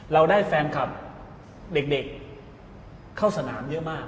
เราได้แฟนคลับเด็กเข้าสนามเยอะมาก